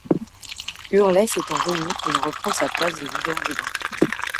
Hurley s'étant remis, il reprend sa place de leader du groupe.